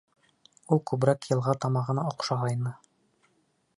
Ул күберәк йылға тамағына оҡшағайны.